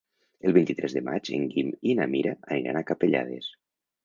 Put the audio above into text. El vint-i-tres de maig en Guim i na Mira aniran a Capellades.